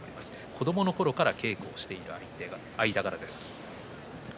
子どものころから稽古をしている間柄です。